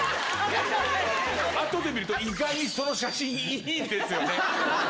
あとで見ると、意外にその写真、いいんですよね。